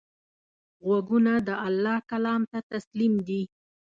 غوږونه د الله کلام ته تسلیم دي